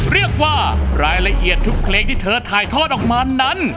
เรียกว่ารายละเอียดทุกเพลงที่เธอถ่ายทอดออกมานั้น